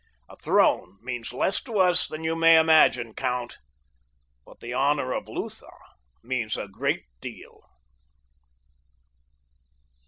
"A throne means less to us than you may imagine, count; but the honor of Lutha means a great deal."